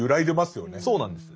そうなんです。